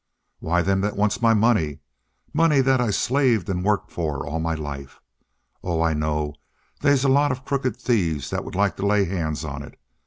"Why, them that wants my money. Money that I slaved and worked for all my life! Oh, I know they's a lot of crooked thieves that would like to lay hands on it.